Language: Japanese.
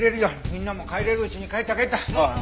みんなも帰れるうちに帰った帰った。